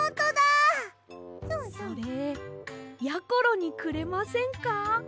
それやころにくれませんか？